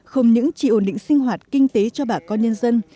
không những chỉ ổn định sinh hoạt kinh tế cho bà con nhân dân